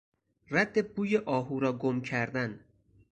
رد بوی آهو را گم کردن